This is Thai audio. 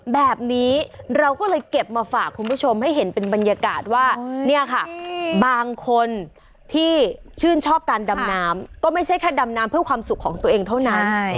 แบบนี้เราก็เลยเก็บมาฝากคุณผู้ชมให้เห็นเป็นบรรยากาศว่าเนี่ยค่ะบางคนที่ชื่นชอบการดำน้ำก็ไม่ใช่แค่ดำน้ำเพื่อความสุขของตัวเองเท่านั้น